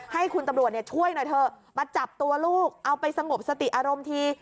ให้คุณตำรวจช่วยหน่อยเถอะมาจับตัวลูกเอาไปสงบสติอารมณ์ที